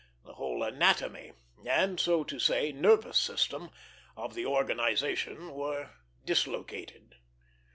The whole anatomy and, so to say, nervous system of the organization were dislocated.